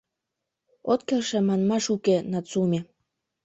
— «От келше» манмаш уке, Нацуме.